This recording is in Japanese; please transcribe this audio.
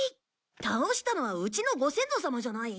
倒したのはうちのご先祖さまじゃない？